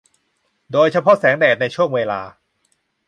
โดยเฉพาะแสงแดดในช่วงเวลา